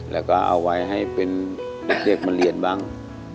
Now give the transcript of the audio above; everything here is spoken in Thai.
แล้วก็เอาไว้ให้เป็นเด็กมาเรียนบ้าง